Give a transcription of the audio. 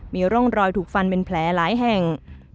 มีร่องรอยถูกฟันเป็นแผลหลายแห่ง